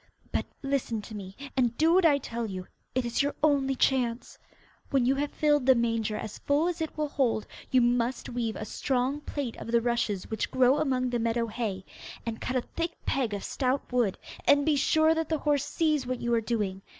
But listen to me, and do what I tell you. It is your only chance. When you have filled the manger as full as it will hold you must weave a strong plait of the rushes which grow among the meadow hay, and cut a thick peg of stout wood, and be sure that the horse sees what you are doing.